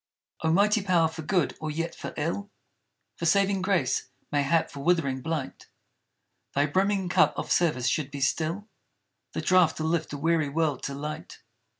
O mighty power for good or yet for ill; For saving grace; mayhap for withering blight! Thy brimming cup of service should be still The draught to lift a weary world to light.